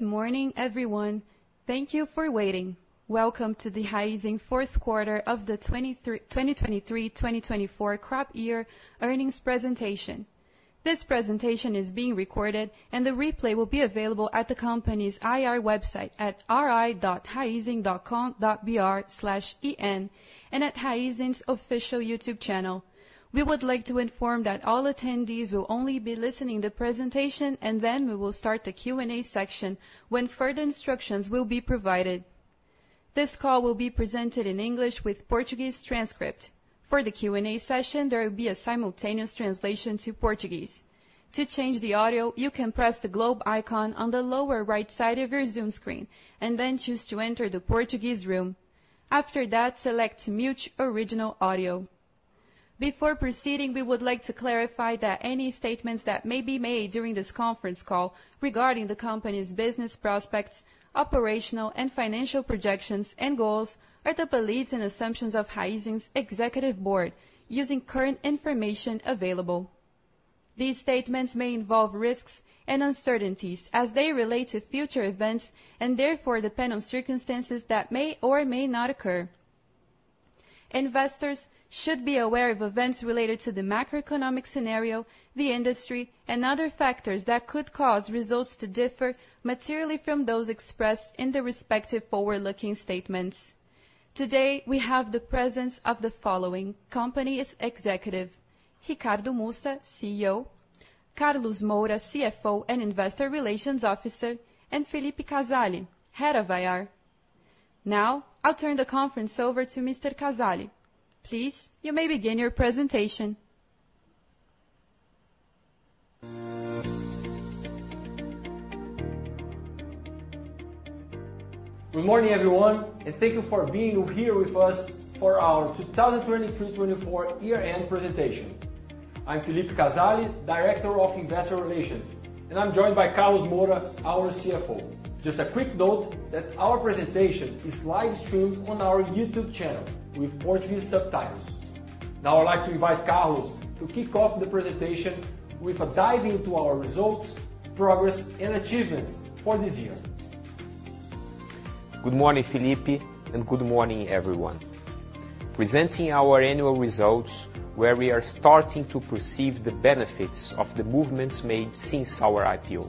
Good morning, everyone. Thank you for waiting. Welcome to the Raízen fourth quarter of the 2023-2024 crop year earnings presentation. This presentation is being recorded, and the replay will be available at the company's IR website at ri.raízen.com.br/en and at Raízen's official YouTube channel. We would like to inform that all attendees will only be listening to the presentation, and then we will start the Q&A section when further instructions will be provided. This call will be presented in English with Portuguese transcript. For the Q&A session, there will be a simultaneous translation to Portuguese. To change the audio, you can press the globe icon on the lower right side of your Zoom screen, and then choose to enter the Portuguese room. After that, select Mute Original Audio. Before proceeding, we would like to clarify that any statements that may be made during this conference call regarding the company's business prospects, operational and financial projections, and goals are the beliefs and assumptions of Raízen's executive board using current information available. These statements may involve risks and uncertainties as they relate to future events and therefore depend on circumstances that may or may not occur. Investors should be aware of events related to the macroeconomic scenario, the industry, and other factors that could cause results to differ materially from those expressed in the respective forward-looking statements. Today, we have the presence of the following company executive: Ricardo Mussa, CEO; Carlos Moura, CFO and Investor Relations Officer; and Phillipe Casale, head of IR. Now, I'll turn the conference over to Mr. Casale. Please, you may begin your presentation. Good morning, everyone, and thank you for being here with us for our 2023-2024 year-end presentation. I'm Phillipe Casale, Director of Investor Relations, and I'm joined by Carlos Moura, our CFO. Just a quick note that our presentation is live-streamed on our YouTube channel with Portuguese subtitles. Now, I'd like to invite Carlos to kick off the presentation with a dive into our results, progress, and achievements for this year. Good morning, Phillipe, and good morning, everyone. Presenting our annual results where we are starting to perceive the benefits of the movements made since our IPO.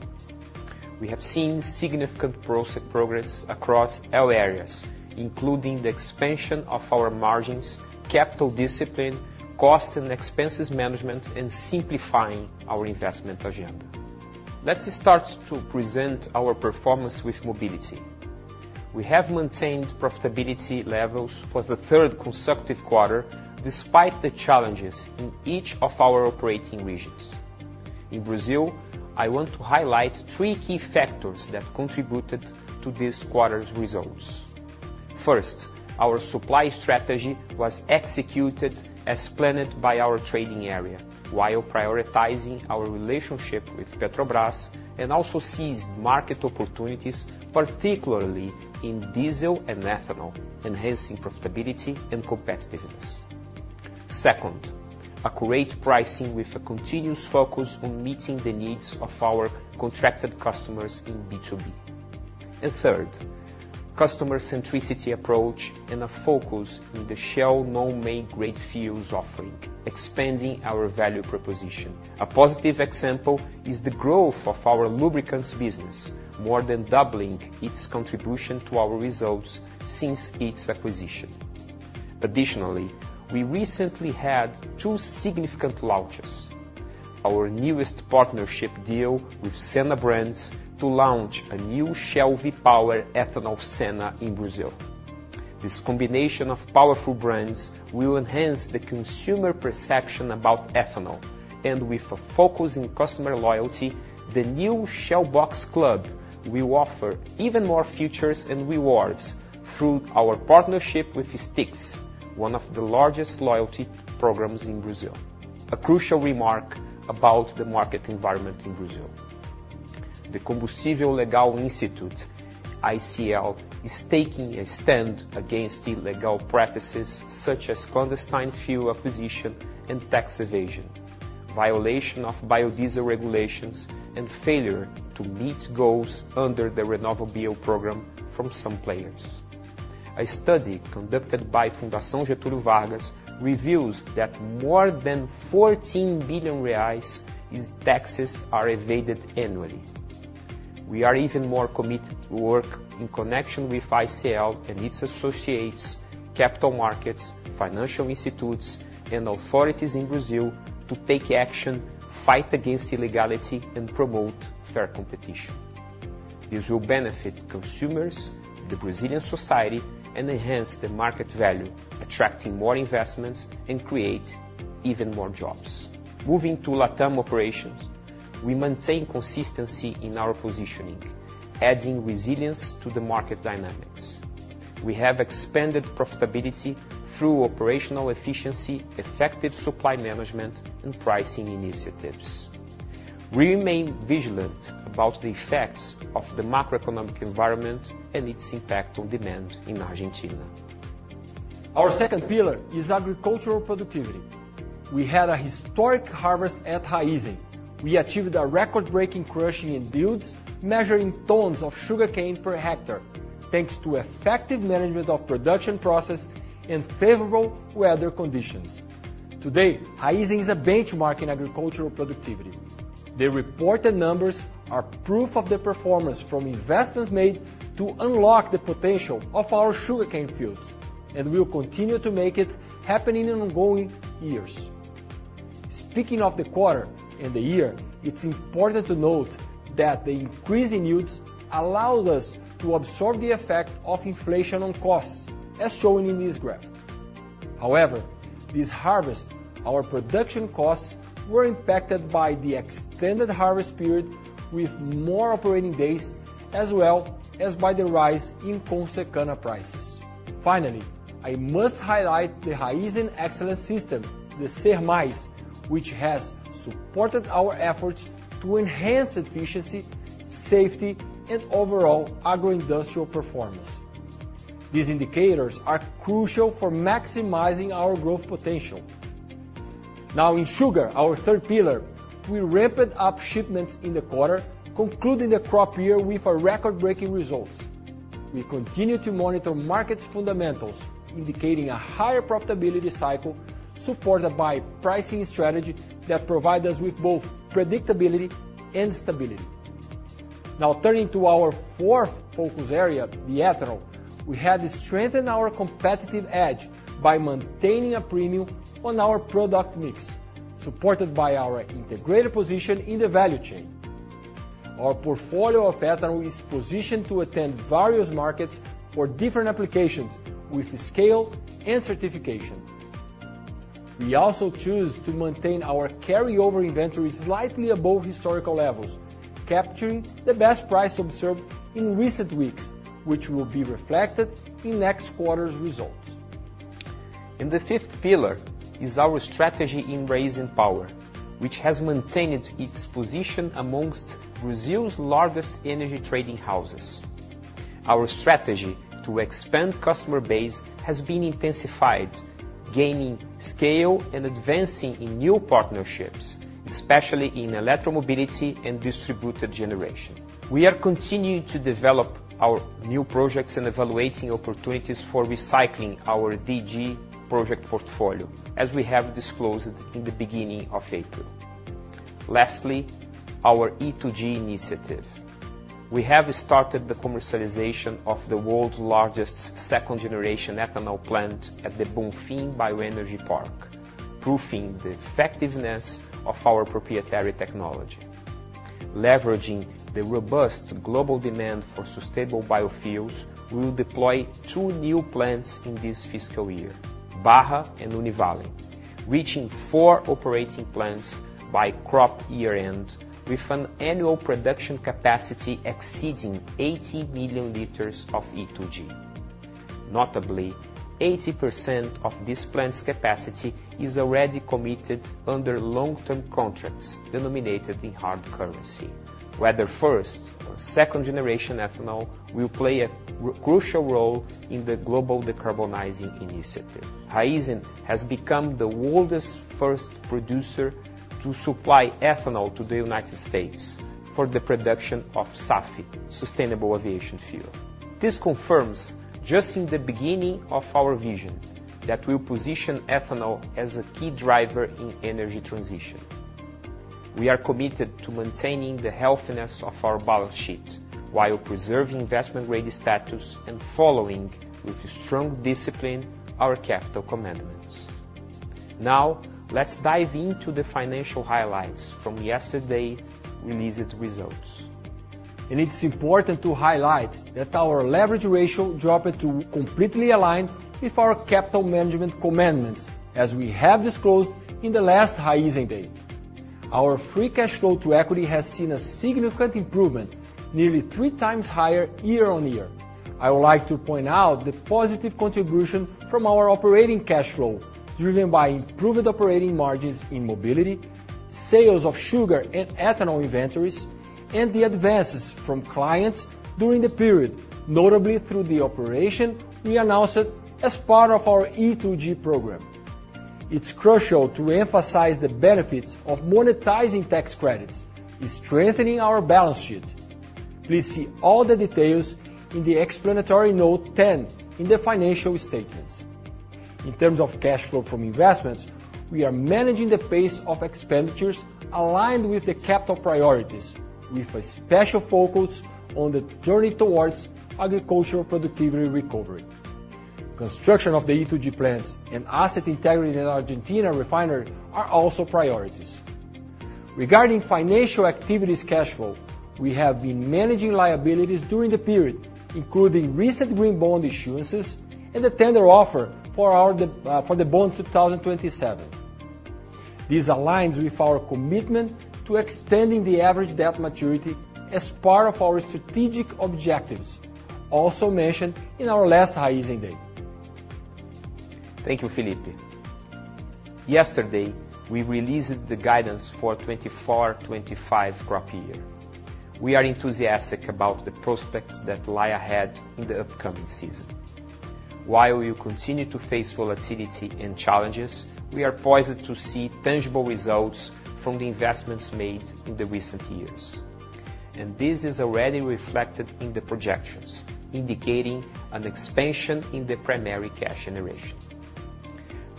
We have seen significant progress across all areas, including the expansion of our margins, capital discipline, cost and expenses management, and simplifying our investment agenda. Let's start to present our performance with mobility. We have maintained profitability levels for the third consecutive quarter despite the challenges in each of our operating regions. In Brazil, I want to highlight three key factors that contributed to this quarter's results. First, our supply strategy was executed as planned by our trading area while prioritizing our relationship with Petrobras and also seized market opportunities, particularly in diesel and ethanol, enhancing profitability and competitiveness. Second, accurate pricing with a continuous focus on meeting the needs of our contracted customers in B2B. Third, customer-centricity approach and a focus on the Shell non-fuel retail offering, expanding our value proposition. A positive example is the growth of our lubricants business, more than doubling its contribution to our results since its acquisition. Additionally, we recently had two significant launches: our newest partnership deal with Senna Brands to launch a new Shell V-Power Etanol Senna in Brazil. This combination of powerful brands will enhance the consumer perception about ethanol, and with a focus on customer loyalty, the new Shell Box Club will offer even more features and rewards through our partnership with Stix, one of the largest loyalty programs in Brazil. A crucial remark about the market environment in Brazil: the Instituto Combustível Legal (ICL) is taking a stand against illegal practices such as clandestine fuel acquisition and tax evasion, violation of biodiesel regulations, and failure to meet goals under the RenovaBio program from some players. A study conducted by Fundação Getulio Vargas reveals that more than BRL 14 billion in taxes are evaded annually. We are even more committed to work in connection with ICL and its associates, capital markets, financial institutes, and authorities in Brazil to take action, fight against illegality, and promote fair competition. This will benefit consumers, the Brazilian society, and enhance the market value, attracting more investments and creating even more jobs. Moving to LATAM operations, we maintain consistency in our positioning, adding resilience to the market dynamics. We have expanded profitability through operational efficiency, effective supply management, and pricing initiatives. We remain vigilant about the effects of the macroeconomic environment and its impact on demand in Argentina. Our second pillar is agricultural productivity. We had a historic harvest at Raízen. We achieved a record-breaking crushing in yields, measuring tons of sugarcane per hectare, thanks to effective management of production processes and favorable weather conditions. Today, Raízen is a benchmark in agricultural productivity. The reported numbers are proof of the performance from investments made to unlock the potential of our sugarcane fields, and we will continue to make it happen in ongoing years. Speaking of the quarter and the year, it's important to note that the increase in yields allowed us to absorb the effect of inflation on costs, as shown in this graph. However, this harvest, our production costs were impacted by the extended harvest period with more operating days, as well as by the rise in Consecana prices. Finally, I must highlight the Raízen Excellence System, the SER+, which has supported our efforts to enhance efficiency, safety, and overall agro-industrial performance. These indicators are crucial for maximizing our growth potential. Now, in sugar, our third pillar, we ramped up shipments in the quarter, concluding the crop year with record-breaking results. We continue to monitor market fundamentals, indicating a higher profitability cycle supported by a pricing strategy that provides us with both predictability and stability. Now, turning to our fourth focus area, the ethanol, we had to strengthen our competitive edge by maintaining a premium on our product mix, supported by our integrated position in the value chain. Our portfolio of ethanol is positioned to attend various markets for different applications with scale and certification. We also choose to maintain our carryover inventory slightly above historical levels, capturing the best price observed in recent weeks, which will be reflected in next quarter's results. The fifth pillar is our strategy in Raízen Power, which has maintained its position amongst Brazil's largest energy trading houses. Our strategy to expand customer base has been intensified, gaining scale and advancing in new partnerships, especially in electromobility and distributed generation. We are continuing to develop our new projects and evaluating opportunities for recycling our DG project portfolio, as we have disclosed in the beginning of April. Lastly, our E2G initiative. We have started the commercialization of the world's largest second-generation ethanol plant at the Bonfim Bioenergy Park, proving the effectiveness of our proprietary technology. Leveraging the robust global demand for sustainable biofuels, we will deploy two new plants in this fiscal year, Barra and Univalem, reaching four operating plants by crop year-end with an annual production capacity exceeding 80 million liters of E2G. Notably, 80% of this plant's capacity is already committed under long-term contracts denominated in hard currency. Whether first- or second-generation ethanol will play a crucial role in the global decarbonizing initiative? Raízen has become the world's first producer to supply ethanol to the United States for the production of SAF, Sustainable Aviation Fuel. This confirms, just in the beginning of our vision, that we will position ethanol as a key driver in the energy transition. We are committed to maintaining the healthiness of our balance sheet while preserving investment-grade status and following, with strong discipline, our capital commandments. Now, let's dive into the financial highlights from yesterday's released results. It's important to highlight that our leverage ratio dropped to completely align with our capital management commandments, as we have disclosed in the last Raízen Day. Our free cash flow to equity has seen a significant improvement, nearly 3 times higher year-on-year. I would like to point out the positive contribution from our operating cash flow, driven by improved operating margins in mobility, sales of sugar and ethanol inventories, and the advances from clients during the period, notably through the operation we announced as part of our E2G program. It's crucial to emphasize the benefits of monetizing tax credits, strengthening our balance sheet. Please see all the details in the explanatory note 10 in the financial statements. In terms of cash flow from investments, we are managing the pace of expenditures aligned with the capital priorities, with a special focus on the journey towards agricultural productivity recovery. Construction of the E2G plants and asset integrity in the Argentina refinery are also priorities. Regarding financial activities cash flow, we have been managing liabilities during the period, including recent green bond issuances and the tender offer for the bond 2027. This aligns with our commitment to extending the average debt maturity as part of our strategic objectives, also mentioned in our last Raízen Day. Thank you, Phillipe. Yesterday, we released the guidance for the 2024-2025 crop year. We are enthusiastic about the prospects that lie ahead in the upcoming season. While we continue to face volatility and challenges, we are poised to see tangible results from the investments made in the recent years. This is already reflected in the projections, indicating an expansion in the primary cash generation.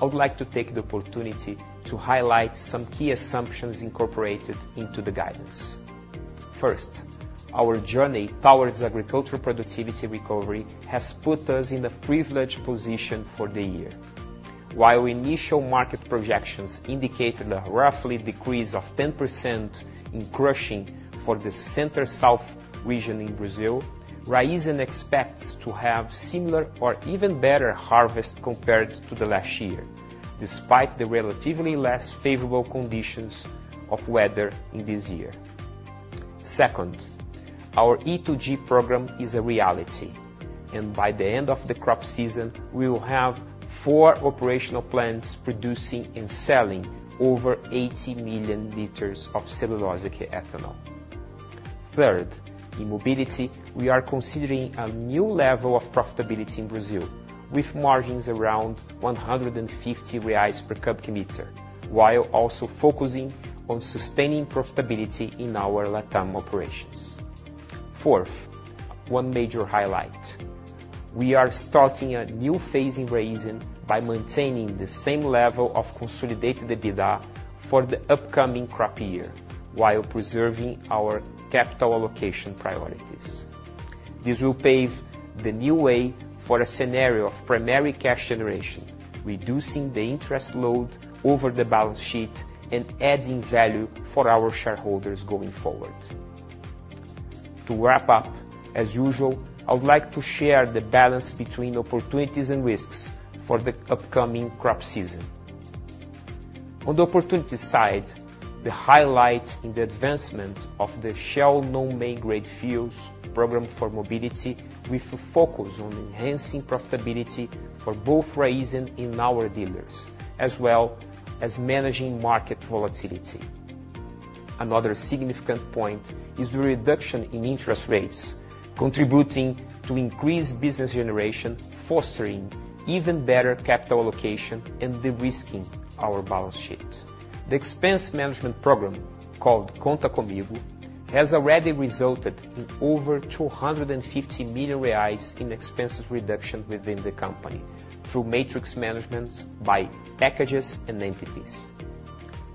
I would like to take the opportunity to highlight some key assumptions incorporated into the guidance. First, our journey towards agricultural productivity recovery has put us in a privileged position for the year. While initial market projections indicated a roughly decrease of 10% in crushing for the center-south region in Brazil, Raízen expects to have similar or even better harvests compared to the last year, despite the relatively less favorable conditions of weather in this year. Second, our E2G program is a reality, and by the end of the crop season, we will have 4 operational plants producing and selling over 80 million liters of cellulosic ethanol. Third, in mobility, we are considering a new level of profitability in Brazil, with margins around BRL 150 per cubic meter, while also focusing on sustaining profitability in our LATAM operations. Fourth, one major highlight: we are starting a new phase in Raízen by maintaining the same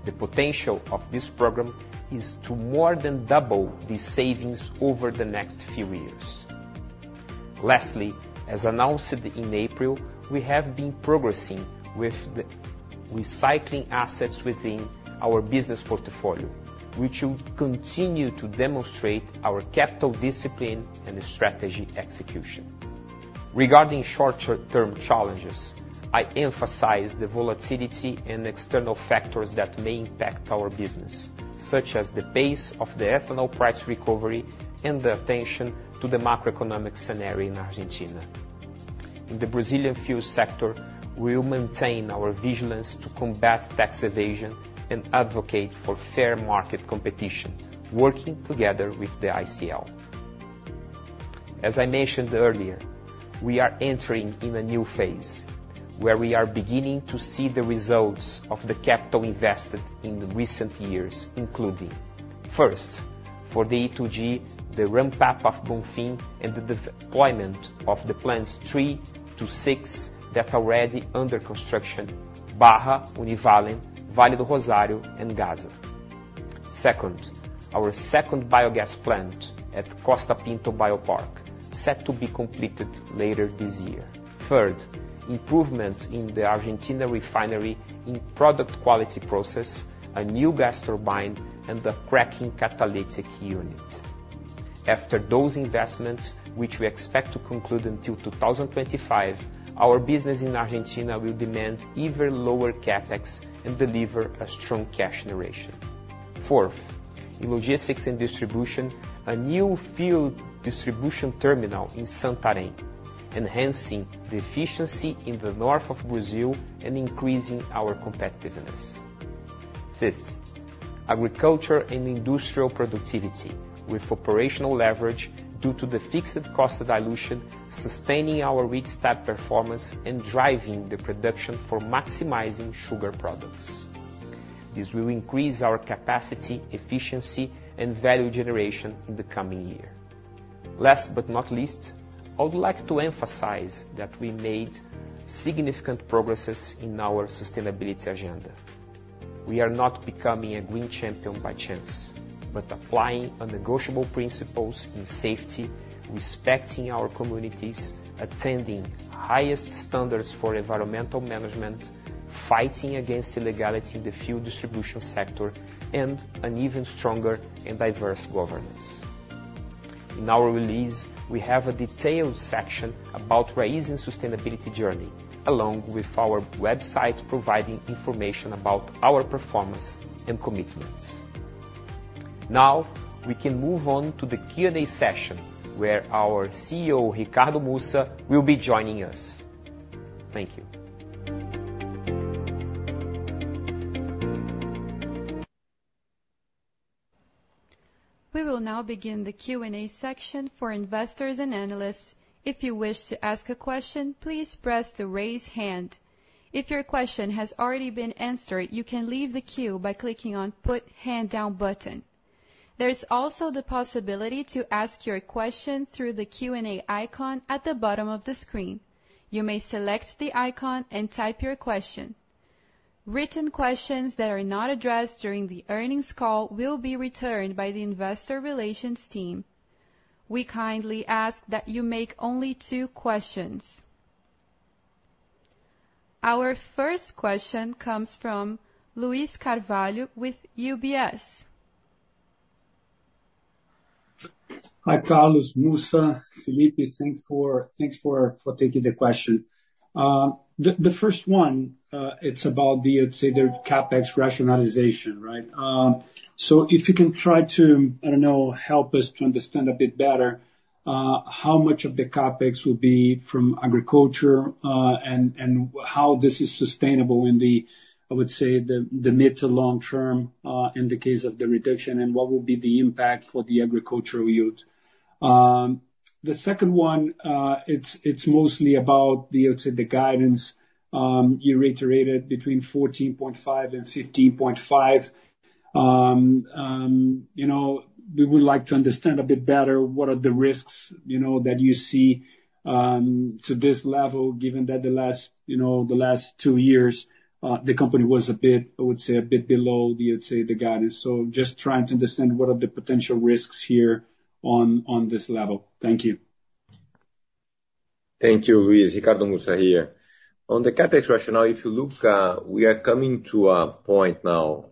The potential of this program is to more than double the savings over the next few years. Lastly, as announced in April, we have been progressing with recycling assets within our business portfolio, which will continue to demonstrate our capital discipline and strategy execution. Regarding short-term challenges, I emphasize the volatility and external factors that may impact our business, such as the pace of the ethanol price recovery and the attention to the macroeconomic scenario in Argentina. In the Brazilian fuel sector, we will maintain our vigilance to combat tax evasion and advocate for fair market competition, working together with the ICL. As I mentioned earlier, we are entering in a new phase where we are beginning to see the results of the capital invested in the recent years, including: First, for the E2G, the ramp-up of Bonfim and the deployment of the plants 3-6 that are already under construction: Barra, Univalem, Vale do Rosário, and Gasa. Second, our second biogas plant at Costa Pinto Bioenergy Park, set to be completed later this year. Third, improvements in the Argentina refinery in the product quality process, a new gas turbine, and a cracking catalytic unit. After those investments, which we expect to conclude until 2025, our business in Argentina will demand ever lower Capex and deliver a strong cash generation. Fourth, in logistics and distribution, a new fuel distribution terminal in Santarém, enhancing the efficiency in the north of Brazil and increasing our competitiveness. Fifth, agriculture and industrial productivity, with operational leverage due to the fixed cost dilution, sustaining our wet stack performance and driving the production for maximizing sugar products. This will increase our capacity, efficiency, and value generation in the coming year. Last but not least, I would like to emphasize that we made significant progress in our sustainability agenda. We are not becoming a green champion by chance, but applying non-negotiable principles in safety, respecting our communities, attending highest standards for environmental management, fighting against illegality in the fuel distribution sector, and an even stronger and diverse governance. In our release, we have a detailed section about Raízen's sustainability journey, along with our website providing information about our performance and commitments. Now, we can move on to the Q&A session, where our CEO, Ricardo Mussa, will be joining us. Thank you. We will now begin the Q&A section for investors and analysts. If you wish to ask a question, please press the raise hand. If your question has already been answered, you can leave the queue by clicking on the put hand down button. There's also the possibility to ask your question through the Q&A icon at the bottom of the screen. You may select the icon and type your question. Written questions that are not addressed during the earnings call will be returned by the investor relations team. We kindly ask that you make only two questions. Our first question comes from Luis Carvalho with UBS. Hi, Carlos Moura. Felipe, thanks for taking the question. The first one, it's about the, I'd say, the Capex rationalization, right? So if you can try to, I don't know, help us to understand a bit better how much of the Capex will be from agriculture and how this is sustainable in the, I would say, the mid- to long-term, in the case of the reduction, and what will be the impact for the agricultural yield. The second one, it's mostly about the, I'd say, the guidance you reiterated, between 14.5 and 15.5. We would like to understand a bit better what are the risks that you see to this level, given that the last two years, the company was a bit, I would say, a bit below the, I'd say, the guidance. So just trying to understand what are the potential risks here on this level. Thank you. Thank you, Luis. Ricardo Mussa here. On the CapEx rationale, if you look, we are coming to a point now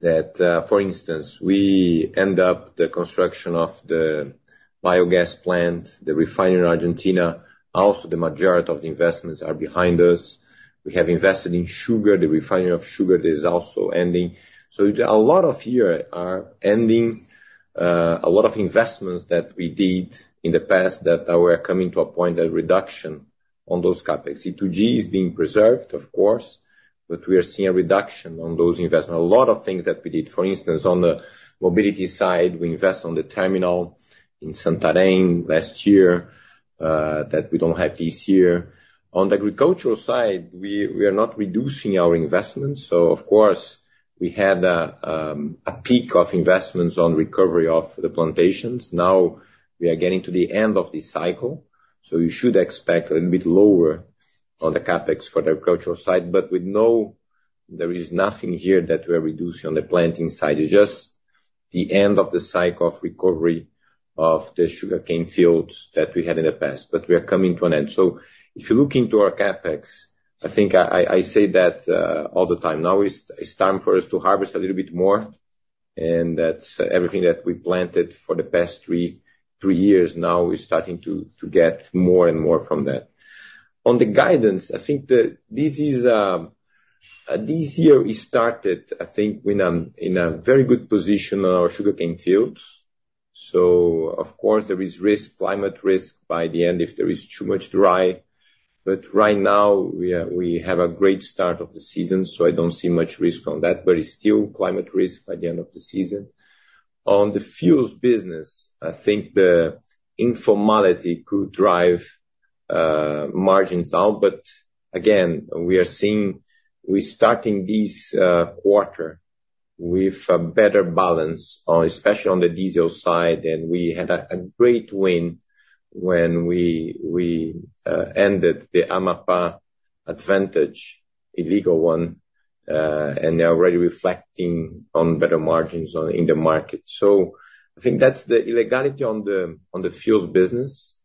that, for instance, we end up the construction of the biogas plant, the refinery in Argentina. Also, the majority of the investments are behind us. We have invested in sugar. The refinery of sugar is also ending. So a lot of here are ending a lot of investments that we did in the past that are coming to a point of reduction on those CapEx. E2G is being preserved, of course, but we are seeing a reduction on those investments. A lot of things that we did, for instance, on the mobility side, we invested on the terminal in Santarém last year that we don't have this year. On the agricultural side, we are not reducing our investments. So, of course, we had a peak of investments on recovery of the plantations. Now, we are getting to the end of this cycle. So you should expect a little bit lower on the CapEx for the agricultural side, but there is nothing here that we are reducing on the planting side. It's just the end of the cycle of recovery of the sugarcane fields that we had in the past, but we are coming to an end. So if you look into our CapEx, I think I say that all the time. Now, it's time for us to harvest a little bit more, and that's everything that we planted for the past three years. Now, we're starting to get more and more from that. On the guidance, I think this year started, I think, in a very good position on our sugarcane fields. So, of course, there is risk, climate risk by the end if there is too much dry. But right now, we have a great start of the season, so I don't see much risk on that, but it's still climate risk by the end of the season. On the fuels business, I think the informality could drive margins down. But again, we are seeing we're starting this quarter with a better balance, especially on the diesel side, and we had a great win when we ended the Amapá advantage, illegal one, and they're already reflecting on better margins in the market. So I think that's the illegality on the fuels business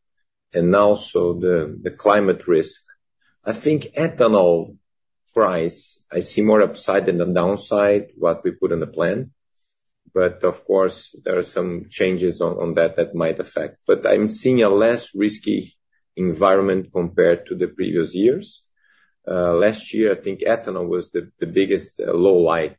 and also the climate risk. I think ethanol price, I see more upside than the downside what we put on the plan. But, of course, there are some changes on that that might affect. But I'm seeing a less risky environment compared to the previous years. Last year, I think ethanol was the biggest lowlight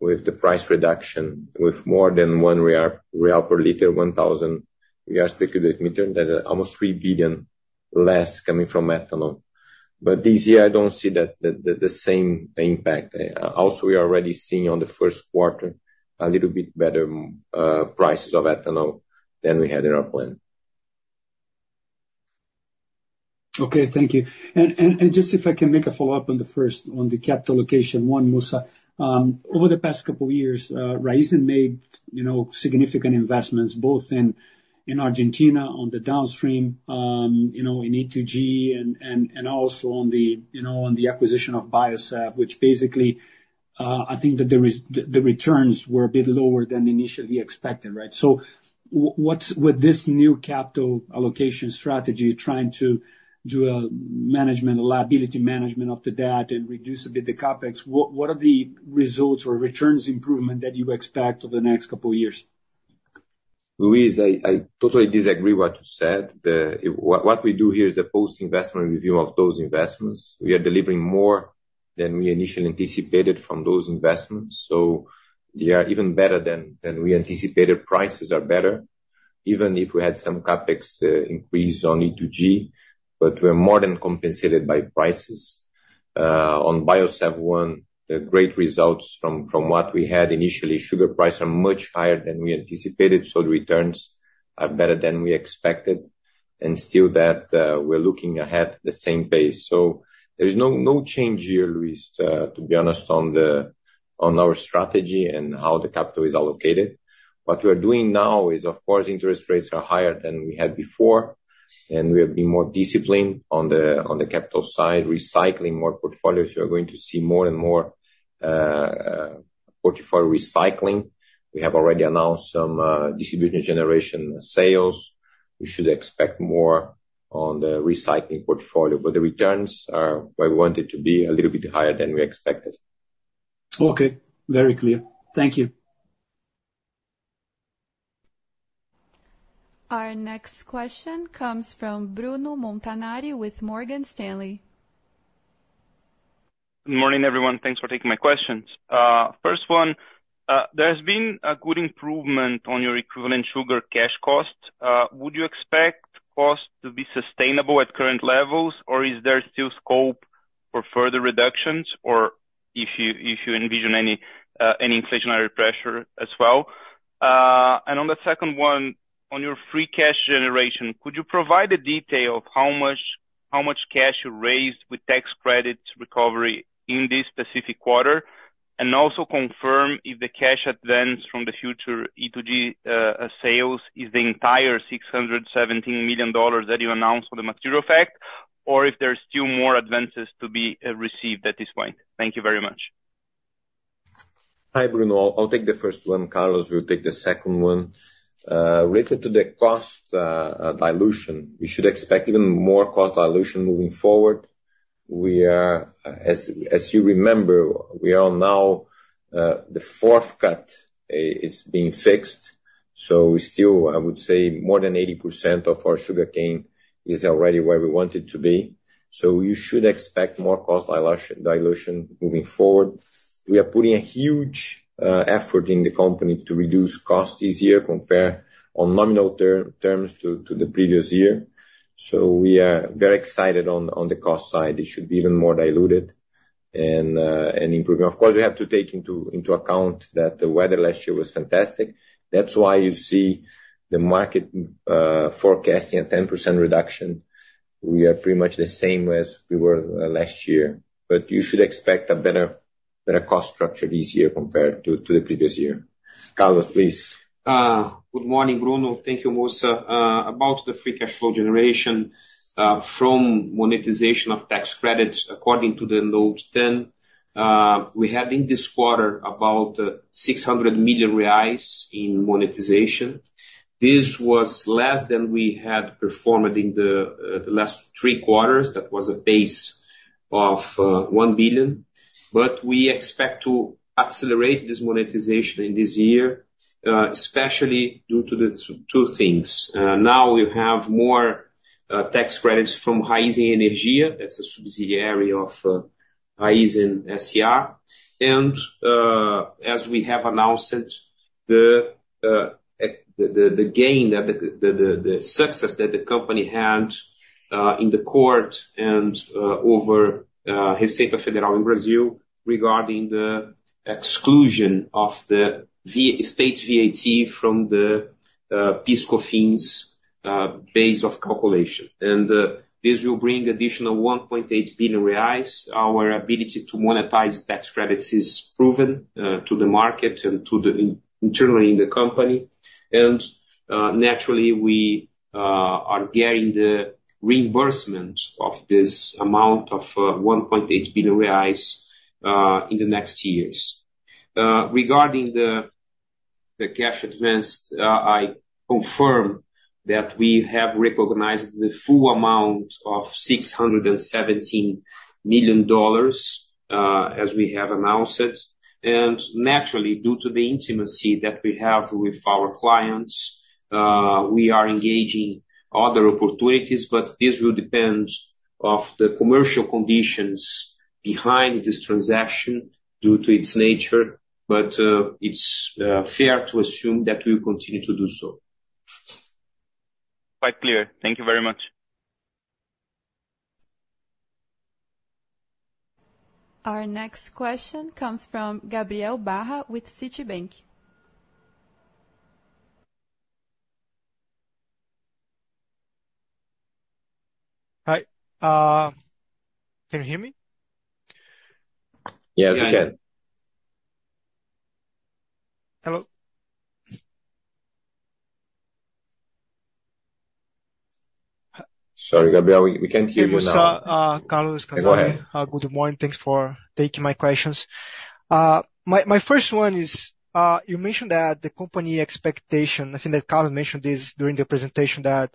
with the price reduction, with more than 1 real per liter, 1,000 per cubic meter, that's almost 3 billion less coming from ethanol. But this year, I don't see the same impact. Also, we are already seeing on the first quarter a little bit better prices of ethanol than we had in our plan. Okay, thank you. Just if I can make a follow-up on the first, on the capital allocation, one, Mussa, over the past couple of years, Raízen made significant investments, both in Argentina on the downstream, in E2G, and also on the acquisition of Biosev, which basically, I think that the returns were a bit lower than initially expected, right? So with this new capital allocation strategy, trying to do a liability management of the debt and reduce a bit the CapEx, what are the results or returns improvement that you expect over the next couple of years? Luis, I totally disagree with what you said. What we do here is a post-investment review of those investments. We are delivering more than we initially anticipated from those investments. So they are even better than we anticipated. Prices are better, even if we had some CapEx increase on E2G, but we're more than compensated by prices. On Bio SAF one, the great results from what we had initially, sugar prices are much higher than we anticipated, so the returns are better than we expected. And still, we're looking ahead at the same pace. So there is no change here, Luis, to be honest, on our strategy and how the capital is allocated. What we are doing now is, of course, interest rates are higher than we had before, and we have been more disciplined on the capital side, recycling more portfolios. You are going to see more and more portfolio recycling. We have already announced some distributed generation sales. We should expect more on the recycling portfolio, but the returns are where we want it to be, a little bit higher than we expected. Okay, very clear. Thank you. Our next question comes from Bruno Montanari with Morgan Stanley. Good morning, everyone. Thanks for taking my questions. First one, there has been a good improvement on your equivalent sugar cash cost. Would you expect costs to be sustainable at current levels, or is there still scope for further reductions or if you envision any inflationary pressure as well? And on the second one, on your free cash generation, could you provide a detail of how much cash you raised with tax credit recovery in this specific quarter and also confirm if the cash advance from the future E2G sales is the entire $617 million that you announced for the material effect, or if there are still more advances to be received at this point? Thank you very much. Hi, Bruno. I'll take the first one. Carlos, we'll take the second one. Related to the cost dilution, we should expect even more cost dilution moving forward. As you remember, we are now the fourth cut is being fixed. So still, I would say more than 80% of our sugarcane is already where we want it to be. So you should expect more cost dilution moving forward. We are putting a huge effort in the company to reduce costs this year compared on nominal terms to the previous year. So we are very excited on the cost side. It should be even more diluted and improving. Of course, we have to take into account that the weather last year was fantastic. That's why you see the market forecasting a 10% reduction. We are pretty much the same as we were last year. But you should expect a better cost structure this year compared to the previous year. Carlos, please. Good morning, Bruno. Thank you, Mussa. About the free cash flow generation from monetization of tax credits, according to the Note 10, we had in this quarter about 600 million reais in monetization. This was less than we had performed in the last three quarters. That was a base of 1 billion. But we expect to accelerate this monetization in this year, especially due to the two things. Now, we have more tax credits from Raízen Energia. That's a subsidiary of Raízen S.A. And as we have announced it, the gain that the success that the company had in the court and over the Receita Federal in Brazil regarding the exclusion of the state VAT from the PIS/COFINS base of calculation. And this will bring additional 1.8 billion reais. Our ability to monetize tax credits is proven to the market and internally in the company. And naturally, we are getting the reimbursement of this amount of 1.8 billion reais in the next years. Regarding the cash advance, I confirm that we have recognized the full amount of $617 million as we have announced. And naturally, due to the intimacy that we have with our clients, we are engaging other opportunities, but this will depend on the commercial conditions behind this transaction due to its nature. But it's fair to assume that we will continue to do so. Quite clear. Thank you very much. Our next question comes from Gabriel Barra with Citibank. Hi. Can you hear me? Yes, we can. Hello? Sorry, Gabriel. We can't hear you now. Hey, Mussa. Carlos Casali. Hey, go ahead. Good morning. Thanks for taking my questions. My first one is you mentioned that the company expectation, I think that Carlos mentioned this during the presentation, that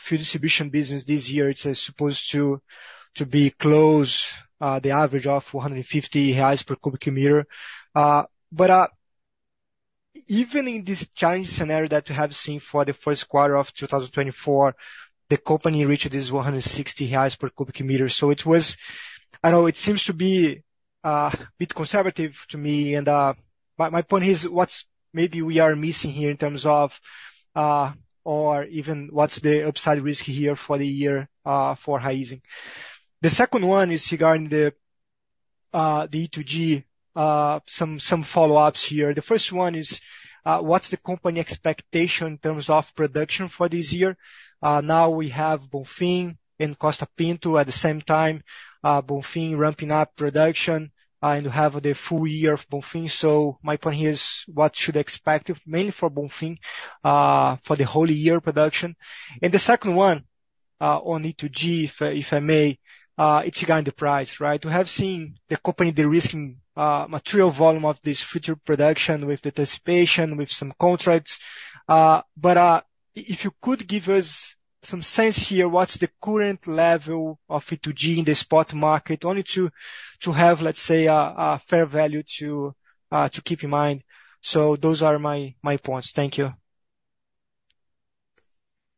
fuel distribution business this year, it's supposed to be close to the average of 150 reais per cubic meter. But even in this challenging scenario that we have seen for the first quarter of 2024, the company reached this 160 per cubic meter. So it was I know it seems to be a bit conservative to me. And my point is what maybe we are missing here in terms of or even what's the upside risk here for the year for Raízen. The second one is regarding the E2G, some follow-ups here. The first one is what's the company expectation in terms of production for this year? Now, we have Bonfim and Costa Pinto at the same time. Bonfim ramping up production, and we have the full year of Bonfim. So my point here is what should we expect, mainly for Bonfim, for the whole year production. And the second one on E2G, if I may, it's regarding the price, right? We have seen the company de-risking material volume of this future production with the anticipation, with some contracts. But if you could give us some sense here, what's the current level of E2G in the spot market, only to have, let's say, a fair value to keep in mind? So those are my points. Thank you.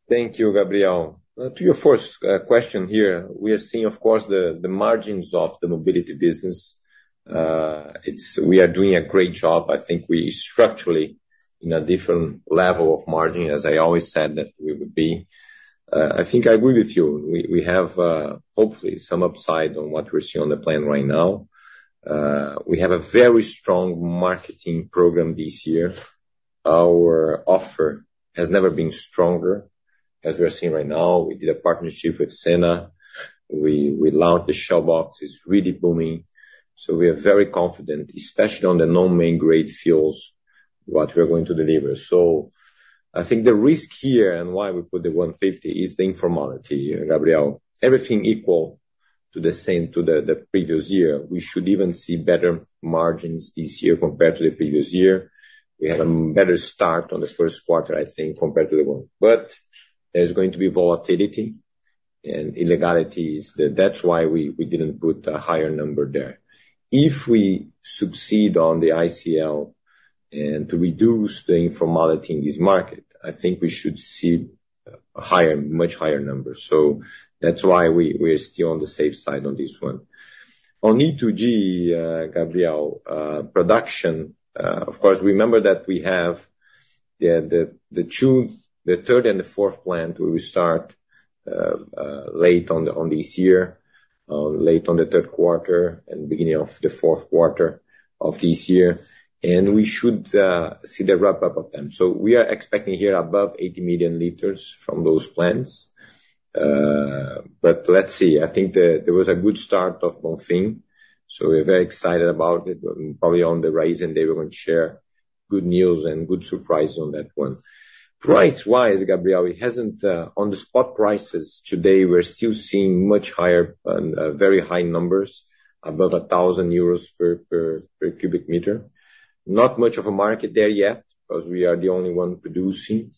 Thank you, Gabriel. To your first question here, we are seeing, of course, the margins of the mobility business. We are doing a great job. I think we are structurally in a different level of margin, as I always said that we would be. I think I agree with you. We have, hopefully, some upside on what we're seeing on the plan right now. We have a very strong marketing program this year. Our offer has never been stronger as we are seeing right now. We did a partnership with Senna. We launched the Shell Box. It's really booming. So we are very confident, especially on the non-main grade fuels, what we are going to deliver. So I think the risk here and why we put the 150 is the informality, Gabriel. Everything equal to the previous year, we should even see better margins this year compared to the previous year. We had a better start on the first quarter, I think, compared to the one. But there's going to be volatility, and illegalities. That's why we didn't put a higher number there. If we succeed on the ICL and reduce the informality in this market, I think we should see a much higher number. So that's why we are still on the safe side on this one. On E2G, Gabriel, production, of course, remember that we have the third and the fourth plant where we start late on this year, late on the third quarter and beginning of the fourth quarter of this year. And we should see the wrap-up of them. So we are expecting here above 80 million liters from those plants. But let's see. I think there was a good start of Bonfim. So we're very excited about it. Probably on the Raízen, they were going to share good news and good surprise on that one. Price-wise, Gabriel, it hasn't on the spot prices today, we're still seeing much higher, very high numbers, above 1,000 euros per cubic meter. Not much of a market there yet because we are the only one producing.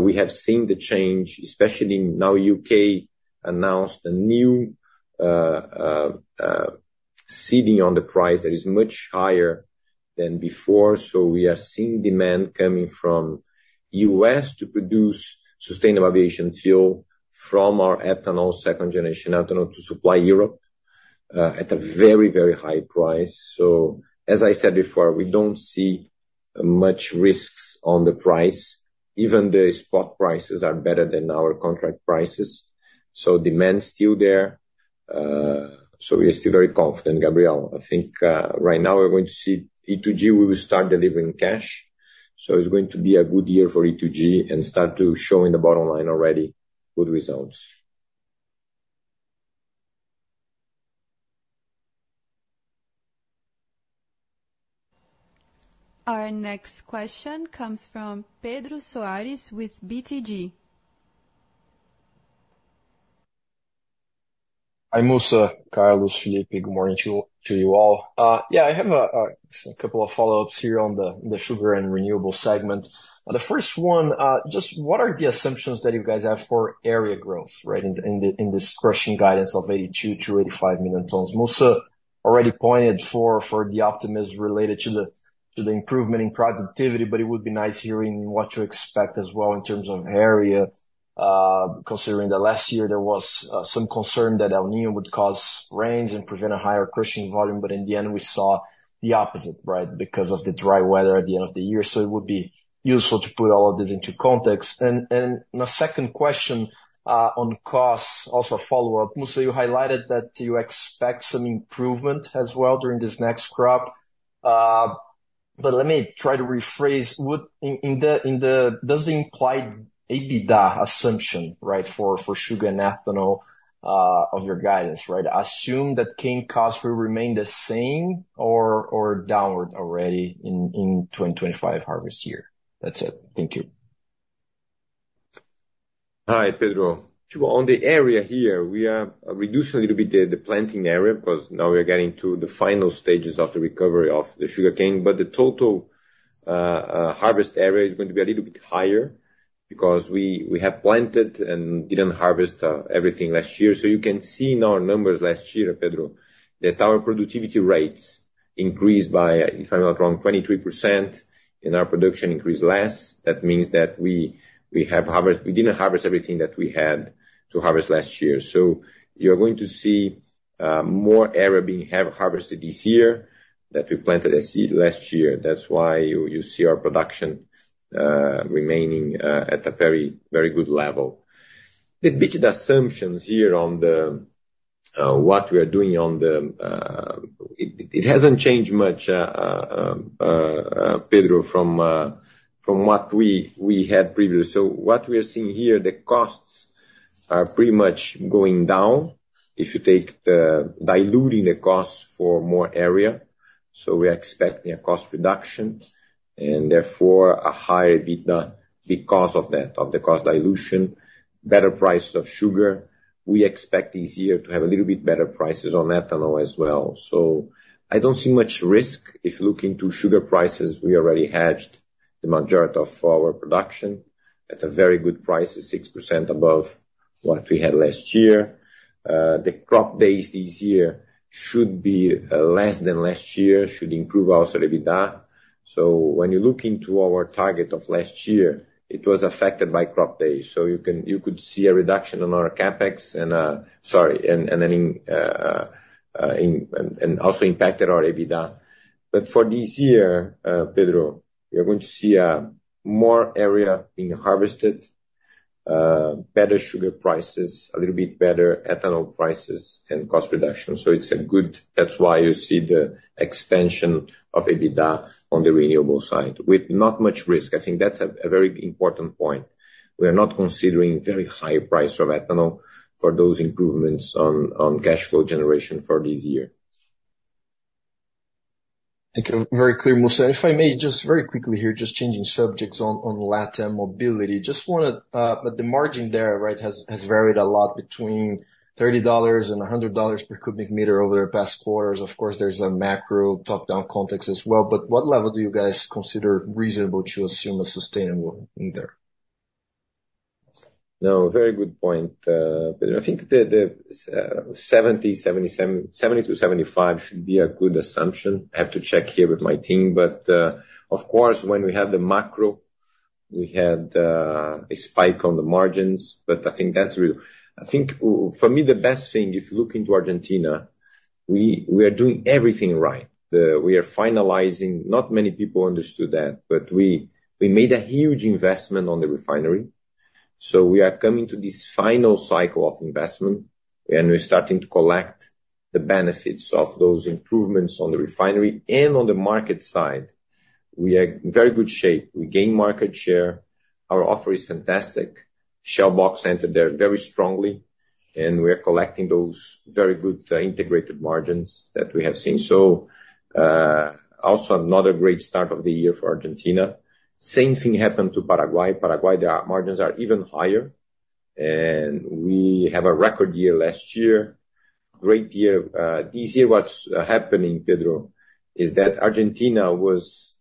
We have seen the change, especially now the U.K. announced a new ceiling on the price that is much higher than before. So we are seeing demand coming from the U.S. to produce sustainable aviation fuel from our second-generation ethanol to supply Europe at a very, very high price. So as I said before, we don't see much risk on the price. Even the spot prices are better than our contract prices. So demand is still there. So we are still very confident, Gabriel. I think right now we're going to see E2G. We will start delivering cash. So it's going to be a good year for E2G and start to show in the bottom line already good results. Our next question comes from Pedro Soares with BTG. Hi, Mussa. Carlos Phillipe. Good morning to you all. Yeah, I have a couple of follow-ups here on the sugar and renewable segment. The first one, just what are the assumptions that you guys have for area growth, right, in this crushing guidance of 82-85 million tons? Mussa already pointed for the optimism related to the improvement in productivity, but it would be nice hearing what to expect as well in terms of area. Considering the last year, there was some concern that El Niño would cause rains and prevent a higher crushing volume, but in the end, we saw the opposite, right, because of the dry weather at the end of the year. So it would be useful to put all of this into context. And a second question on costs, also a follow-up. Mussa, you highlighted that you expect some improvement as well during this next crop. But let me try to rephrase. Does the implied EBITDA assumption, right, for sugar and ethanol of your guidance, right, assume that cane costs will remain the same or downward already in 2025 harvest year? That's it. Thank you. Hi, Pedro. On the area here, we are reducing a little bit the planting area because now we are getting to the final stages of the recovery of the sugar cane. But the total harvest area is going to be a little bit higher because we have planted and didn't harvest everything last year. So you can see in our numbers last year, Pedro, that our productivity rates increased by, if I'm not wrong, 23%. And our production increased less. That means that we didn't harvest everything that we had to harvest last year. So you are going to see more area being harvested this year that we planted last year. That's why you see our production remaining at a very, very good level. The EBITDA assumptions here on what we are doing on the it hasn't changed much, Pedro, from what we had previously. So what we are seeing here, the costs are pretty much going down if you take diluting the costs for more area. So we are expecting a cost reduction and therefore a higher EBITDA because of that, of the cost dilution, better price of sugar. We expect this year to have a little bit better prices on ethanol as well. So I don't see much risk if you look into sugar prices. We already hedged the majority of our production at a very good price, 6% above what we had last year. The crop days this year should be less than last year, should improve our EBITDA. So when you look into our target of last year, it was affected by crop days. So you could see a reduction in our CapEx and sorry, and also impacted our EBITDA. But for this year, Pedro, we are going to see more area being harvested, better sugar prices, a little bit better ethanol prices, and cost reduction. So it's a good that's why you see the expansion of EBITDA on the renewable side with not much risk. I think that's a very important point. We are not considering very high price of ethanol for those improvements on cash flow generation for this year. Thank you. Very clear, Mussa. If I may, just very quickly here, just changing subjects on LatAm mobility. Just want to but the margin there, right, has varied a lot between $30-$100 per cubic meter over the past quarters. Of course, there's a macro top-down context as well. But what level do you guys consider reasonable to assume a sustainable in there? No, very good point, Pedro. I think the 70-75 should be a good assumption. I have to check here with my team. But of course, when we have the macro, we had a spike on the margins. But I think that's real. I think for me, the best thing, if you look into Argentina, we are doing everything right. We are finalizing not many people understood that, but we made a huge investment on the refinery. So we are coming to this final cycle of investment, and we're starting to collect the benefits of those improvements on the refinery and on the market side. We are in very good shape. We gained market share. Our offer is fantastic. Shell Box entered there very strongly, and we are collecting those very good integrated margins that we have seen. So also another great start of the year for Argentina. Same thing happened to Paraguay. Paraguay, the margins are even higher. And we have a record year last year. Great year. This year, what's happening, Pedro, is that Argentina was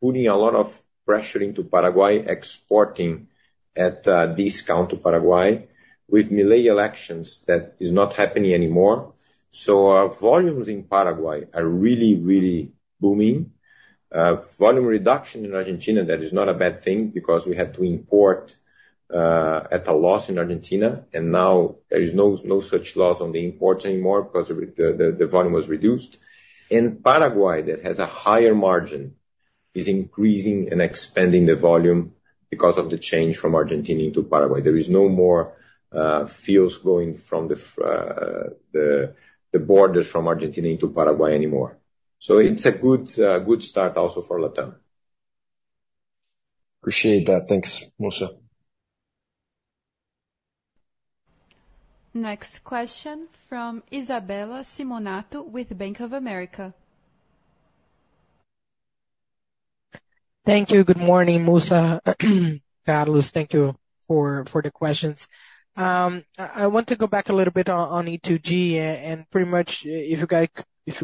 putting a lot of pressure into Paraguay, exporting at a discount to Paraguay. With Milei elections, that is not happening anymore. So volumes in Paraguay are really, really booming. Volume reduction in Argentina, that is not a bad thing because we had to import at a loss in Argentina. And now there is no such loss on the imports anymore because the volume was reduced. And Paraguay, that has a higher margin, is increasing and expanding the volume because of the change from Argentina into Paraguay. There is no more fuel going from the borders from Argentina into Paraguay anymore. So it's a good start also for LATAM. Appreciate that. Thanks, Mussa. Next question from Isabella Simonato with Bank of America. Thank you. Good morning, Mussa. Carlos, thank you for the questions. I want to go back a little bit on E2G and pretty much if you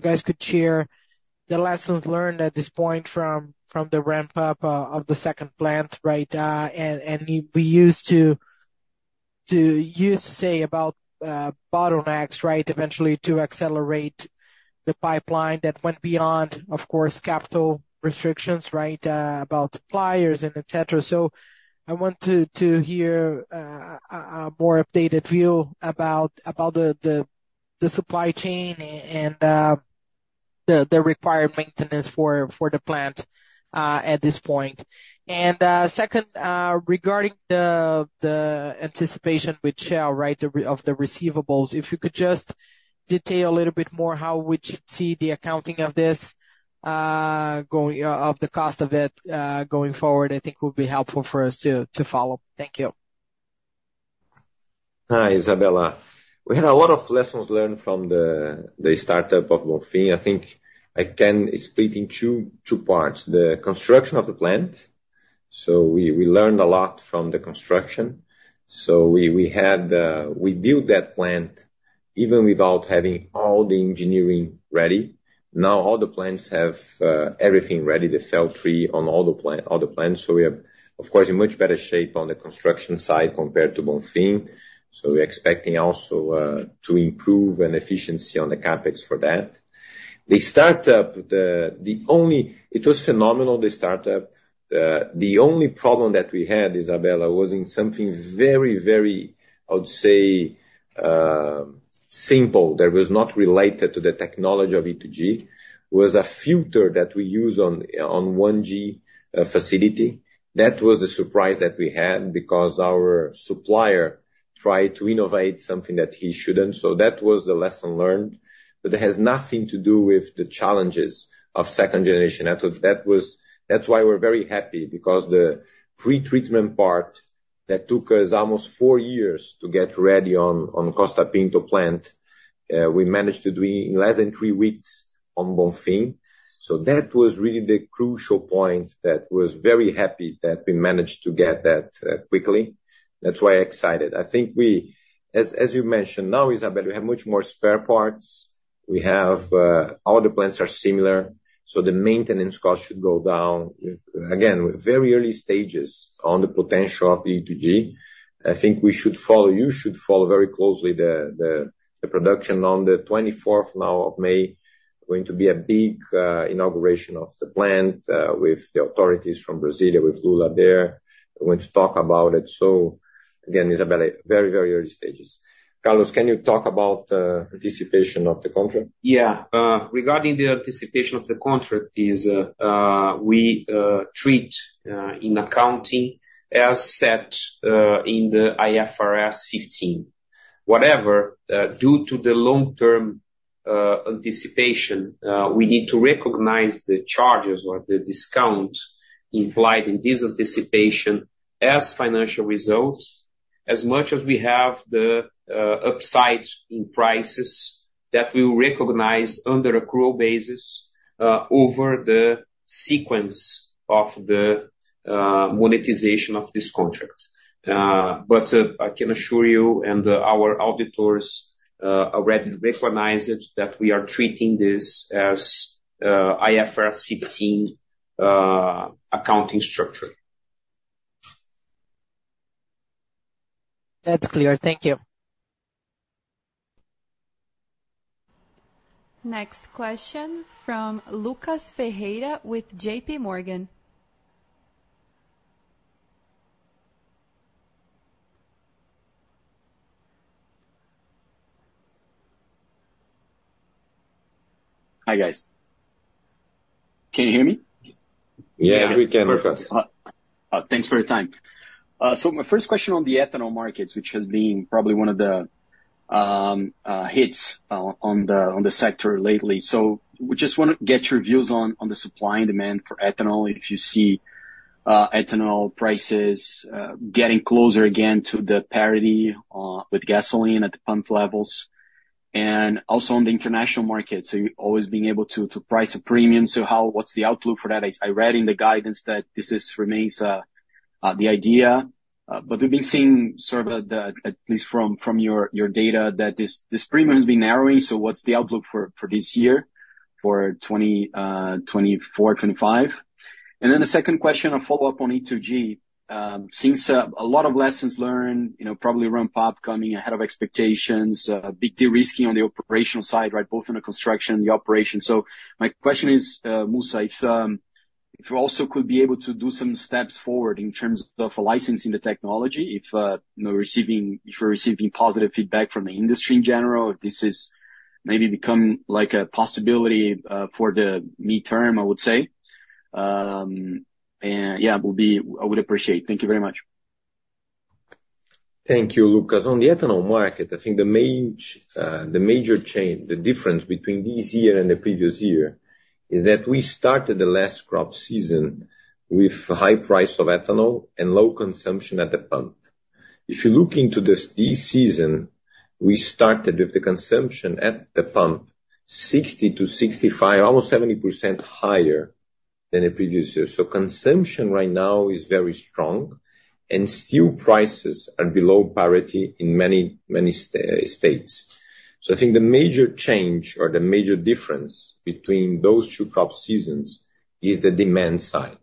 guys could share the lessons learned at this point from the ramp-up of the second plant, right? And we used to say about bottlenecks, right, eventually to accelerate the pipeline that went beyond, of course, capital restrictions, right, about suppliers, and etc. So I want to hear a more updated view about the supply chain and the required maintenance for the plant at this point. And second, regarding the anticipation with Shell, right, of the receivables, if you could just detail a little bit more how we'd see the accounting of this going of the cost of it going forward, I think would be helpful for us to follow. Thank you. Hi, Isabella. We had a lot of lessons learned from the startup of Bonfim. I think I can split into two parts. The construction of the plant. So we learned a lot from the construction. So we built that plant even without having all the engineering ready. Now all the plants have everything ready, the FEL 3 on all the plants. So we are, of course, in much better shape on the construction side compared to Bonfim. So we're expecting also to improve an efficiency on the capex for that. The startup, the only it was phenomenal, the startup. The only problem that we had, Isabella, was in something very, very, I would say, simple. That was not related to the technology of E2G. It was a filter that we use on 1G facility. That was the surprise that we had because our supplier tried to innovate something that he shouldn't. So that was the lesson learned. But it has nothing to do with the challenges of second-generation ethanol. That's why we're very happy because the pretreatment part that took us almost 4 years to get ready on Costa Pinto plant, we managed to do in less than 3 weeks on Bonfim. So that was really the crucial point that was very happy that we managed to get that quickly. That's why I'm excited. I think we, as you mentioned now, Isabella, we have much more spare parts. All the plants are similar. So the maintenance cost should go down. Again, very early stages on the potential of E2G. I think we should follow you should follow very closely the production on the 24th of May now. Going to be a big inauguration of the plant with the authorities from Brazil, with Lula there. We're going to talk about it. So again, Isabella, very, very early stages. Carlos, can you talk about the anticipation of the contract? Yeah. Regarding the anticipation of the contract, we treat in accounting as set in the IFRS 15. Whatever, due to the long-term anticipation, we need to recognize the charges or the discount implied in this anticipation as financial results as much as we have the upside in prices that we will recognize under an accrual basis over the sequence of the monetization of this contract. But I can assure you and our auditors already recognize it that we are treating this as IFRS 15 accounting structure. That's clear. Thank you. Next question from Lucas Ferreira with JPMorgan. Hi, guys. Can you hear me? Yeah, we can. Perfect. Thanks for your time. My first question on the ethanol markets, which has been probably one of the hits on the sector lately. We just want to get your views on the supply and demand for ethanol, if you see ethanol prices getting closer again to the parity with gasoline at the pump levels. Also on the international market. You've always been able to price a premium. What's the outlook for that? I read in the guidance that this remains the idea. But we've been seeing sort of, at least from your data, that this premium has been narrowing. What's the outlook for this year, for 2024, 2025? Then the second question, a follow-up on E2G. Since a lot of lessons learned, probably ramp-up coming ahead of expectations, big de-risking on the operational side, right, both on the construction and the operation. So my question is, Mussa, if you also could be able to do some steps forward in terms of licensing the technology, if we're receiving positive feedback from the industry in general, if this has maybe become a possibility for the midterm, I would say. And yeah, I would appreciate it. Thank you very much. Thank you, Lucas. On the ethanol market, I think the major change, the difference between this year and the previous year is that we started the last crop season with high price of ethanol and low consumption at the pump. If you look into this season, we started with the consumption at the pump 60%-65%, almost 70% higher than the previous year. So consumption right now is very strong and still prices are below parity in many, many states. So I think the major change or the major difference between those two crop seasons is the demand side.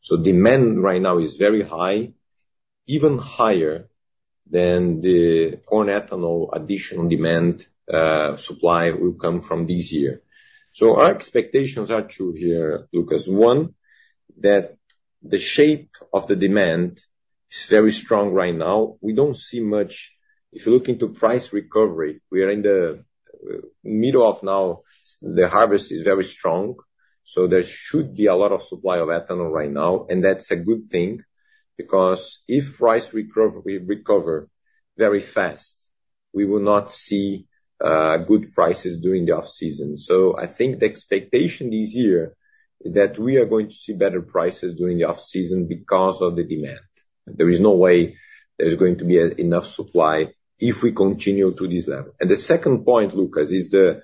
So demand right now is very high, even higher than the corn ethanol additional demand supply will come from this year. So our expectations are true here, Lucas. One, that the shape of the demand is very strong right now. We don't see much if you look into price recovery, we are in the middle of now the harvest is very strong. So there should be a lot of supply of ethanol right now. And that's a good thing because if price recovery very fast, we will not see good prices during the off-season. So I think the expectation this year is that we are going to see better prices during the off-season because of the demand. There is no way there's going to be enough supply if we continue to this level. And the second point, Lucas, is the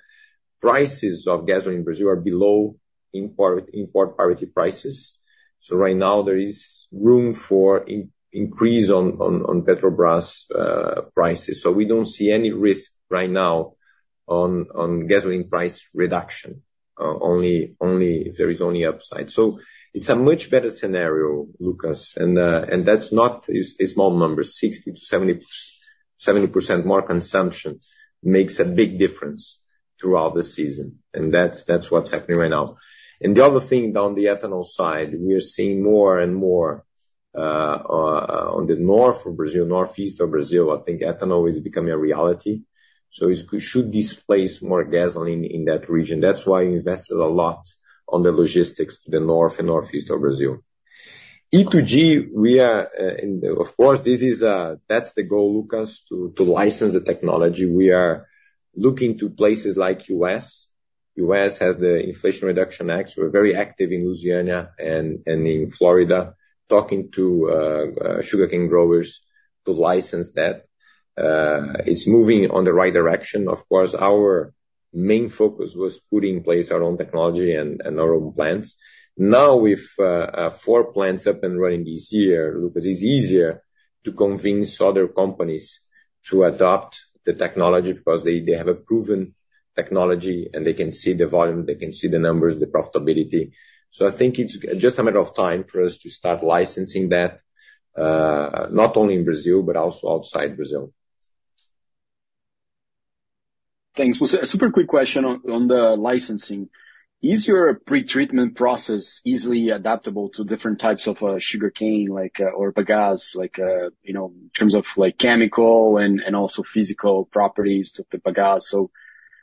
prices of gasoline in Brazil are below import parity prices. So right now, there is room for increase on Petrobras prices. So we don't see any risk right now on gasoline price reduction, only if there is only upside. So it's a much better scenario, Lucas. And that's not a small number. 60%-70% more consumption makes a big difference throughout the season. And that's what's happening right now. And the other thing on the ethanol side, we are seeing more and more on the north of Brazil, northeast of Brazil. I think ethanol is becoming a reality. So it should displace more gasoline in that region. That's why we invested a lot on the logistics to the north and northeast of Brazil. E2G, we are of course, that's the goal, Lucas, to license the technology. We are looking to places like U.S. U.S. has the Inflation Reduction Act. We're very active in Louisiana and in Florida, talking to sugarcane growers to license that. It's moving in the right direction. Of course, our main focus was putting in place our own technology and our own plants. Now, with four plants up and running this year, Lucas, it's easier to convince other companies to adopt the technology because they have a proven technology and they can see the volume, they can see the numbers, the profitability. So I think it's just a matter of time for us to start licensing that, not only in Brazil, but also outside Brazil. Thanks. Mussa, a super quick question on the licensing. Is your pretreatment process easily adaptable to different types of sugarcane or bagasse, in terms of chemical and also physical properties of the bagasse? So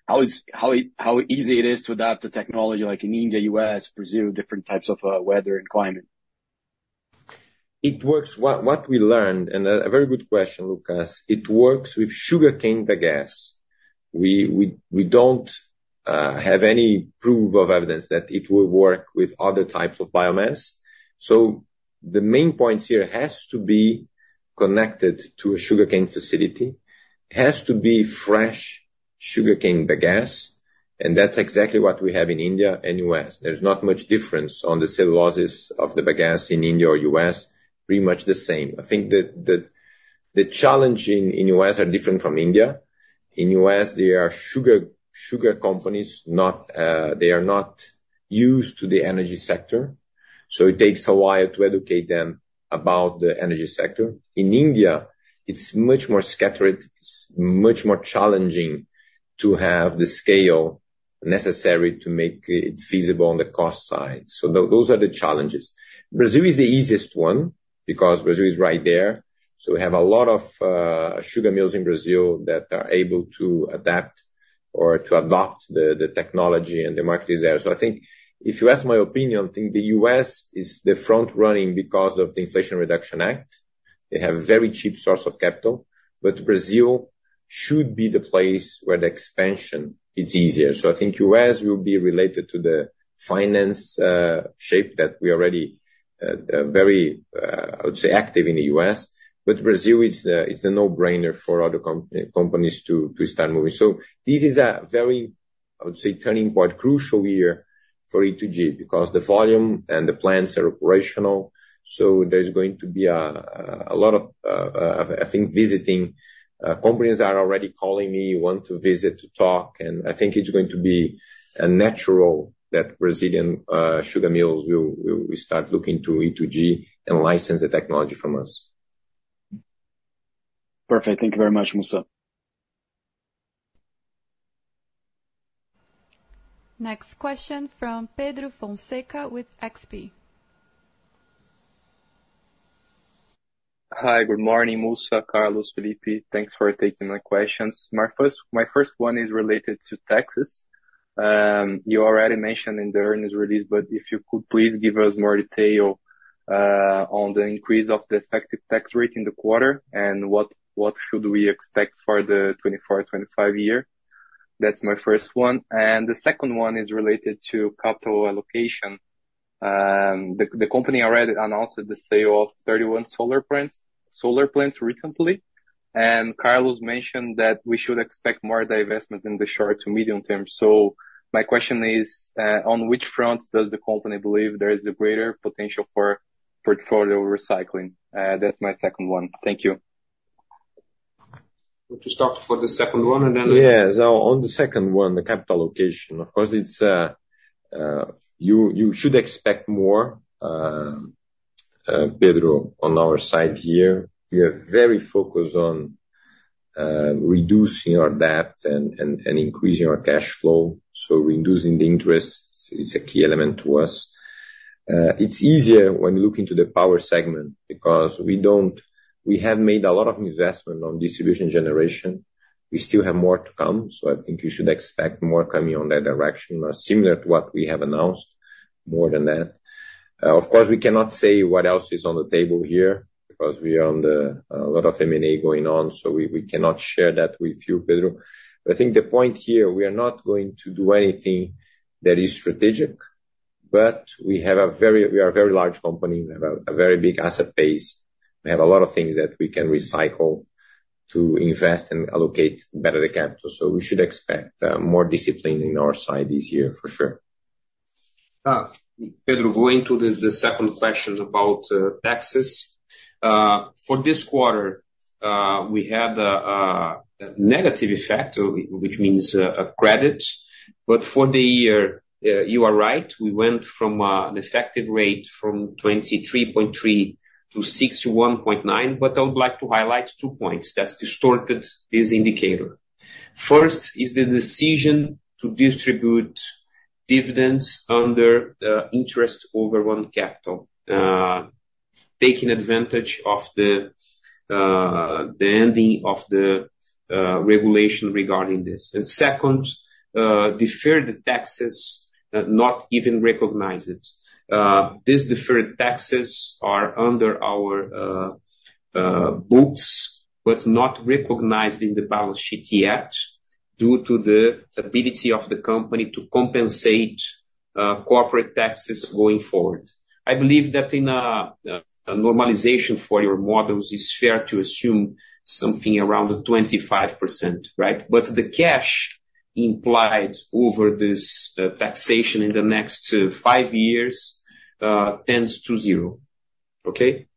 how easy it is to adapt the technology, like in India, U.S., Brazil, different types of weather and climate? It works. What we learned, and a very good question, Lucas, it works with sugarcane bagasse. We don't have any proof of evidence that it will work with other types of biomass. So the main points here has to be connected to a sugarcane facility. It has to be fresh sugarcane bagasse. And that's exactly what we have in India and U.S. There's not much difference on the cellulose of the bagasse in India or U.S. Pretty much the same. I think the challenge in U.S. is different from India. In U.S., there are sugar companies. They are not used to the energy sector. So it takes a while to educate them about the energy sector. In India, it's much more scattered. It's much more challenging to have the scale necessary to make it feasible on the cost side. So those are the challenges. Brazil is the easiest one because Brazil is right there. So we have a lot of sugar mills in Brazil that are able to adapt or to adopt the technology and the market is there. So I think if you ask my opinion, I think the U.S. is the front-running because of the Inflation Reduction Act. They have a very cheap source of capital. But Brazil should be the place where the expansion is easier. So I think U.S. will be related to the finance shape that we are already very, I would say, active in the U.S.. But Brazil, it's a no-brainer for other companies to start moving. So this is a very, I would say, turning point, crucial year for E2G because the volume and the plants are operational. So there's going to be a lot of, I think, visiting. Companies are already calling me, want to visit, to talk. I think it's going to be natural that Brazilian sugar mills will start looking to E2G and license the technology from us. Perfect. Thank you very much, Mussa. Next question from Pedro Fonseca with XP. Hi. Good morning, Mussa, Carlos, Phillipe. Thanks for taking my questions. My first one is related to taxes. You already mentioned in the earnings release, but if you could please give us more detail on the increase of the effective tax rate in the quarter and what should we expect for the 2024, 2025 year? That's my first one. And the second one is related to capital allocation. The company already announced the sale of 31 solar plants recently. And Carlos mentioned that we should expect more investments in the short to medium term. So my question is, on which fronts does the company believe there is a greater potential for portfolio recycling? That's my second one. Thank you. Would you start for the second one and then? Yeah. So on the second one, the capital allocation, of course, you should expect more, Pedro, on our side here. We are very focused on reducing our debt and increasing our cash flow. So reducing the interest is a key element to us. It's easier when we look into the power segment because we have made a lot of investment on distributed generation. We still have more to come. So I think you should expect more coming on that direction, similar to what we have announced, more than that. Of course, we cannot say what else is on the table here because we are on a lot of M&A going on. So we cannot share that with you, Pedro. But I think the point here, we are not going to do anything that is strategic. But we are a very large company. We have a very big asset base. We have a lot of things that we can recycle to invest and allocate better the capital. So we should expect more discipline on our side this year, for sure. Pedro, going to the second question about taxes. For this quarter, we had a negative effect, which means a credit. But for the year, you are right. We went from an effective rate from 23.3% to 61.9%. But I would like to highlight two points that distorted this indicator. First is the decision to distribute dividends under Interest on Equity, taking advantage of the ending of the regulation regarding this. And second, deferred taxes not even recognized it. These deferred taxes are under our books but not recognized in the balance sheet yet due to the ability of the company to compensate corporate taxes going forward. I believe that in a normalization for your models, it's fair to assume something around 25%, right? But the cash implied over this taxation in the next five years tends to zero, okay?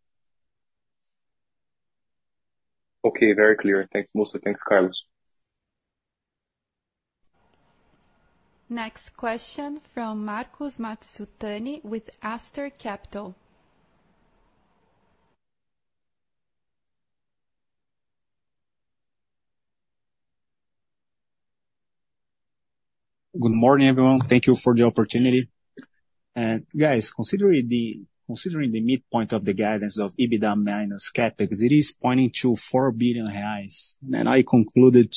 Okay. Very clear. Thanks, Mussa. Thanks, Carlos. Next question from Marcos Matsutani with Aster Capital. Good morning, everyone. Thank you for the opportunity. Guys, considering the midpoint of the guidance of EBITDA minus CapEx, it is pointing to R$4 billion. I concluded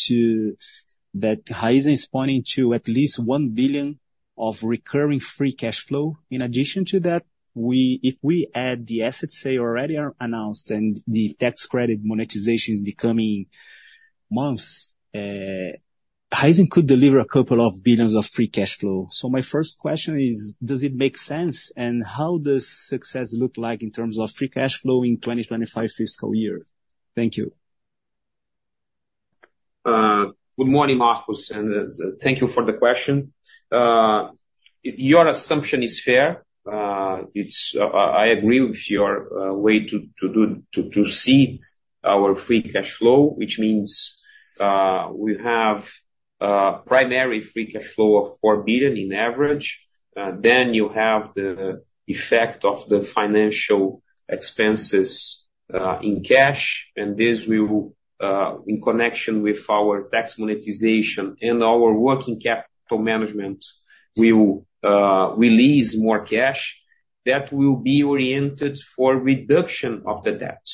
that Raízen is pointing to at least R$1 billion of recurring free cash flow. In addition to that, if we add the assets already announced and the tax credit monetization in the coming months, Raízen could deliver a couple of billions of free cash flow. My first question is, does it make sense? And how does success look like in terms of free cash flow in 2025 fiscal year? Thank you. Good morning, Marcos. Thank you for the question. Your assumption is fair. I agree with your way to see our free cash flow, which means we have primary free cash flow of 4 billion in average. Then you have the effect of the financial expenses in cash. This will, in connection with our tax monetization and our working capital management, release more cash that will be oriented for reduction of the debt.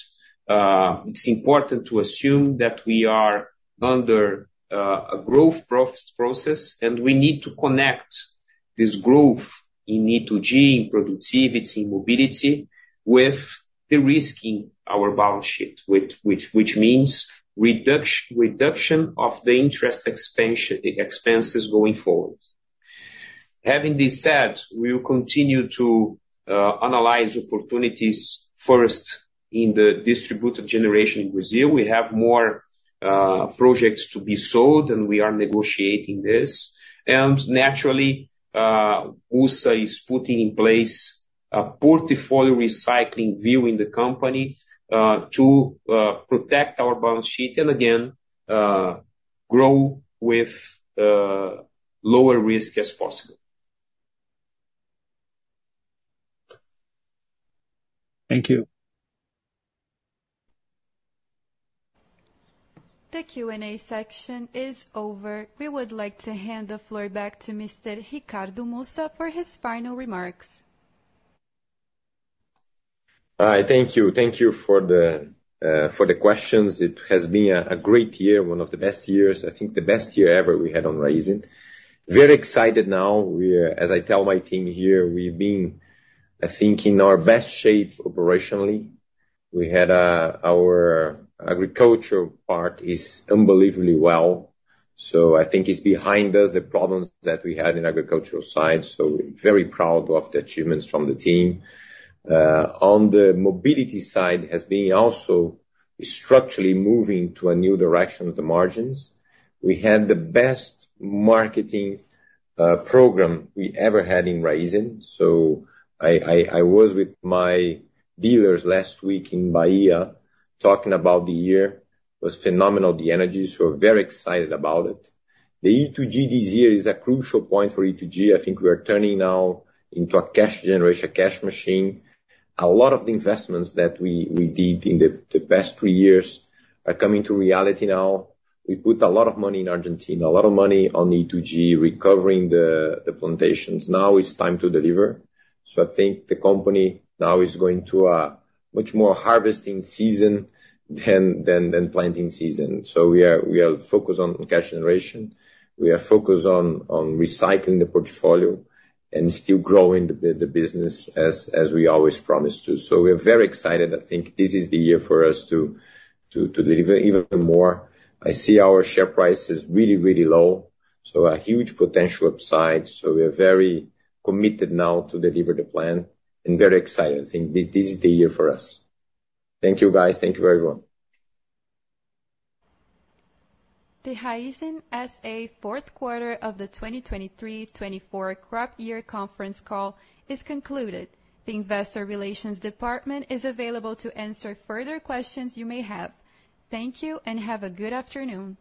It's important to assume that we are under a growth process and we need to connect this growth in E2G, in productivity, in mobility, with the risk in our balance sheet, which means reduction of the interest expenses going forward. Having this said, we will continue to analyze opportunities first in the distributed generation in Brazil. We have more projects to be sold and we are negotiating this. Naturally, Mussa is putting in place a portfolio recycling view in the company to protect our balance sheet and, again, grow with lower risk as possible. Thank you. The Q&A section is over. We would like to hand the floor back to Mr. Ricardo Mussa for his final remarks. Hi. Thank you. Thank you for the questions. It has been a great year, one of the best years. I think the best year ever we had on Raízen. Very excited now. As I tell my team here, we've been, I think, in our best shape operationally. Our agricultural part is unbelievably well. So I think it's behind us, the problems that we had in the agricultural side. So we're very proud of the achievements from the team. On the mobility side, it has been also structurally moving to a new direction of the margins. We had the best marketing program we ever had in Raízen. So I was with my dealers last week in Bahia talking about the year. It was phenomenal, the energies. We were very excited about it. The E2G this year is a crucial point for E2G. I think we are turning now into a cash generation, a cash machine. A lot of the investments that we did in the past three years are coming to reality now. We put a lot of money in Argentina, a lot of money on E2G, recovering the plantations. Now it's time to deliver. So I think the company now is going to a much more harvesting season than planting season. So we are focused on cash generation. We are focused on recycling the portfolio and still growing the business as we always promised to. So we are very excited. I think this is the year for us to deliver even more. I see our share price is really, really low. So a huge potential upside. So we are very committed now to deliver the plan and very excited. I think this is the year for us. Thank you, guys. Thank you very much. The Raízen S.A. fourth quarter of the 2023-24 crop year conference call is concluded. The investor relations department is available to answer further questions you may have. Thank you and have a good afternoon.